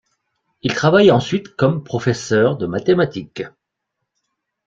Il travaille ensuite comme professeur de mathématiques.